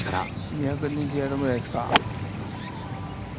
２２０ヤードぐらいですか。